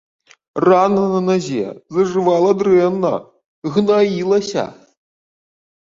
Рана на назе зажывала дрэнна, гнаілася.